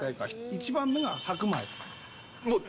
一番目が白米。